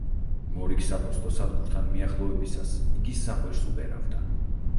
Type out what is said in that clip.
მორიგ საფოსტო სადგურთან მიახლოებისას, იგი საყვირს უბერავდა.